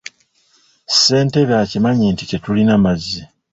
Ssentebe akimanyi nti tetulina mazzi.